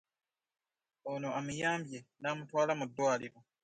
Ono amuyambye n'amutwala mu Ddwaliro